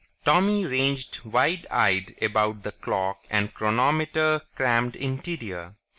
Tommy ranged wide eyed about the clock and chronometer crammed interior.